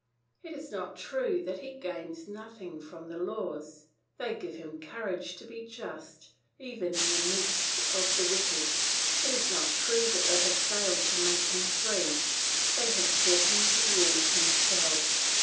It is not true that he gains nothing from the laws; they give him courage to be just, even in the midst of the wicked. It is not true that they have failed to make him free; they have taught him to rule himself.